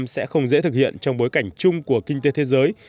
sẽ không dễ thực hiện trong bối cảnh chung của kinh tế thế giới